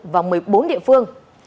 và một mươi bốn địa phương